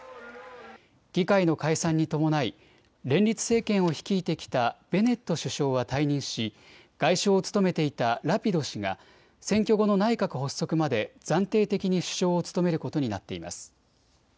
議会の解散に伴い連立政権を率いてきたベネット首相は退任し外相を務めていたラピド氏が選挙後の内閣発足まで暫定的に首相を務めることになっています。